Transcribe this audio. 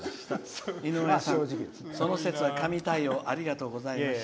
井上さん、その節は神対応ありがとうございました。